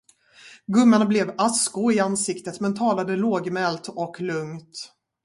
Gumman blev askgrå i ansiktet, men talade lågmält och lugnt.